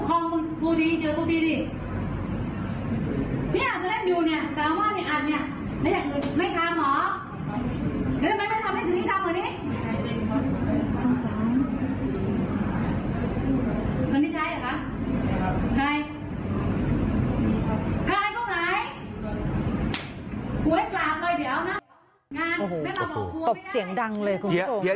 โอ้โหตบเสียงดังเลยครูผู้หญิง